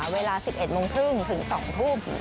เวลา๑๑โมงครึ่งถึง๒ทุ่ม